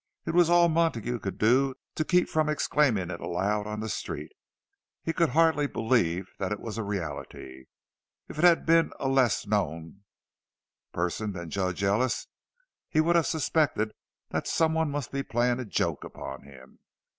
_ It was all Montague could do to keep from exclaiming it aloud on the street. He could hardly believe that it was a reality—if it had been a less known person than Judge Ellis, he would have suspected that some one must be playing a joke upon him.